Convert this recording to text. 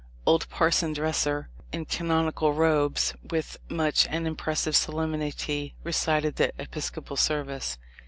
Old Parson Dresser, in canonical robes, with much and impressive solemnity recited the Episcopal service.